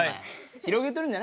広げてるんじゃない。